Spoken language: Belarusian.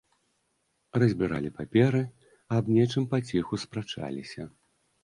Разбіралі паперы, аб нечым паціху спрачаліся.